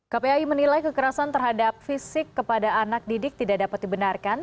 kpai menilai kekerasan terhadap fisik kepada anak didik tidak dapat dibenarkan